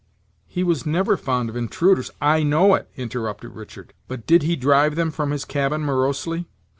"He was never fond of intruders " "I know it," interrupted Richard; "but did he drive them from his cabin morosely?